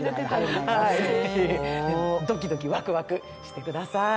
ドキドキ、ワクワクしてください。